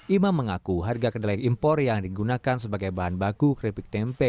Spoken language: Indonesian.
imam mengaku harga kedelai impor yang digunakan sebagai bahan baku keripik tempe